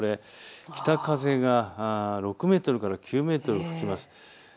北風が６メートルから９メートル吹きます。